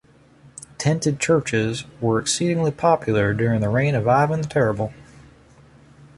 Tented churches were exceedingly popular during the reign of Ivan the Terrible.